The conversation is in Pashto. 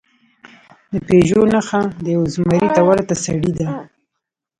د پېژو نښه د یو زمري ته ورته سړي ده.